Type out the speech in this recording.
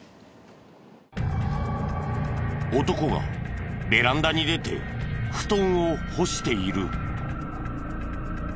男がベランダに出て布団を干している。